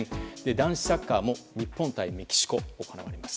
男子サッカーも日本対メキシコが行われます。